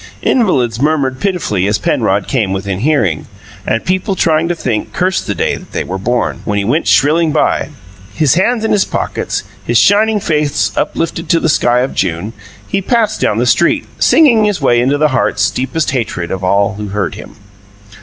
Invalids murmured pitifully as Penrod came within hearing; and people trying to think cursed the day that they were born, when he went shrilling by. His hands in his pockets, his shining face uplifted to the sky of June, he passed down the street, singing his way into the heart's deepest hatred of all who heard him.